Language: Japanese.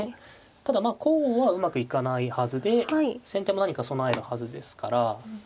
ただまあこうはうまくいかないはずで先手も何か備えるはずですから。